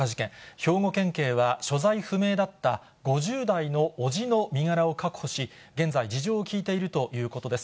兵庫県警は、所在不明だった５０代の伯父の身柄を確保し、現在、事情を聴いているということです。